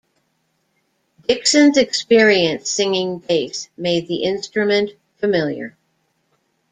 Dixon's experience singing bass made the instrument familiar.